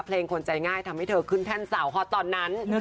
เพลงคนใจง่ายทำให้เธอขึ้นแท่นสาวฮอตตอนนั้น